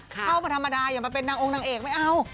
เข้ามาธรรมดาอย่ามาเป็นนางองค์นางเอกไม่เอา